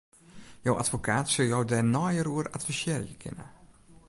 Jo advokaat sil jo dêr neier oer advisearje kinne.